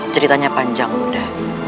ceritanya panjang bunda